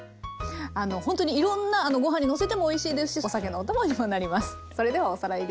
あのほんとにいろんなご飯にのせてもおいしいですしお酒のお供にもなります。